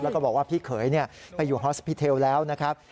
แล้วก็บอกว่าพี่เขยไปอยู่ฮอสพิเทลแล้วนะครับ